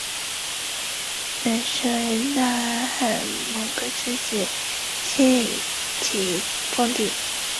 元时为大汗蒙哥之子昔里吉封地。